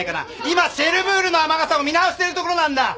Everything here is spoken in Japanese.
今『シェルブールの雨傘』を見直してるところなんだ！